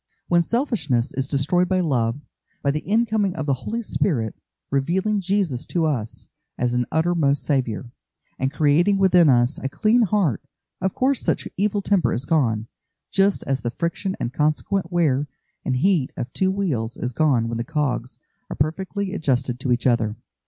When selfishness is destroyed by love, by the incoming of the Holy Spirit, revealing Jesus to us as an uttermost Saviour, and creating within us a clean heart, of course such evil temper is gone, just as the friction and consequent wear and heat of two wheels is gone when the cogs are perfectly adjusted to each other.